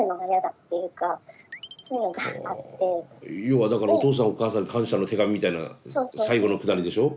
要はだからお父さんお母さんに感謝の手紙みたいな最後のくだりでしょ？